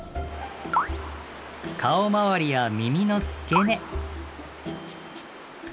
顔回りや耳の付け根。